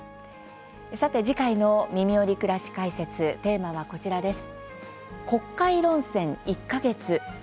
さて次回の「みみより！くらし解説」テーマは、こちらです。